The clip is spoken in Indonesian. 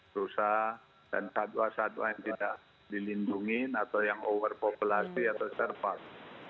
rusa dan satwa satwa yang tidak dilindungi atau yang overpopulasi atau serpark